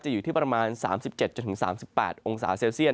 อยู่ที่ประมาณ๓๗๓๘องศาเซลเซียต